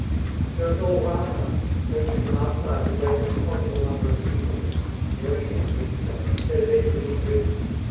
It goes all round life, taking from outside the greatest possible number of views of it, drawing it into itself instead of entering into it.